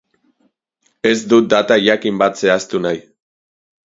Ez dut data jakin bat zehaztu nahi.